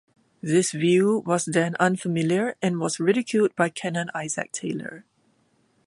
This view was then unfamiliar and was ridiculed by Canon Isaac Taylor.